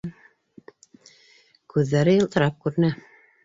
Күҙҙәре йылтырап күренә.